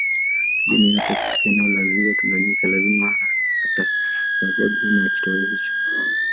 Mgeni yeyote akifika eneo la ziwa Tanganyika lazima atastahajabu aina ya kitoweo hicho